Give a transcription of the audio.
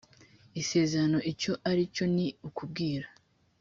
isezerano icyo ari cyo ni ukubwira